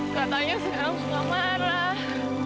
katanya si el suka marah